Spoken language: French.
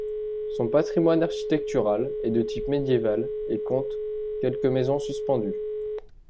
Son patrimoine architectural est de type médiéval et compte quelques maisons suspendues.